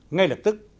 ngay lập tức